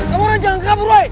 kamu orang jangan kekabur woy